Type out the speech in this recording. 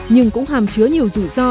nhưng cũng hàm chứa nhiều rủi ro